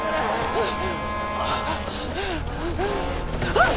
あっ！